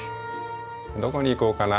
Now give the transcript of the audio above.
どこに行こうかな。